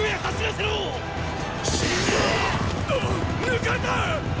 抜かれたっ！